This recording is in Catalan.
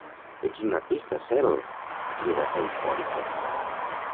Ets un artista, Cel! —crida eufòrica.